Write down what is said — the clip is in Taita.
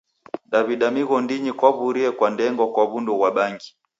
Daw'ida mighondinyi kwaw'uriye kwa ndengwa kwa w'undu ghwa bangi.